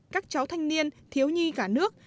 các cháu thanh niên thiếu nhi cả nước